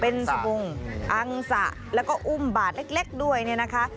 เป็นสบงอังสะแล้วก็อุ้มบาทเล็กด้วยเนี่ยนะคะ